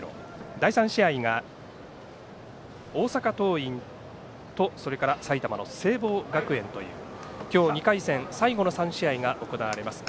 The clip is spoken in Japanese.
第３試合が、大阪桐蔭と埼玉の聖望学園という今日２回戦、最後の３試合が行われます。